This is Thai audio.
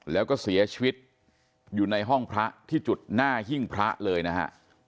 แล้วก็เสียชีวิตอยู่ในห้องพระที่จุดหน้าหิ้งพระเลยนะฮะ